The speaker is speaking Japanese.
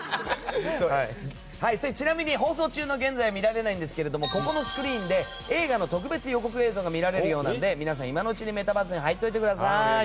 ちなみに放送中の現在は見られないんですがスクリーンで映画の特別予告映像が見られるようなので皆さん、今のうちにメタバースに入ってください。